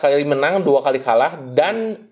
kali menang dua kali kalah dan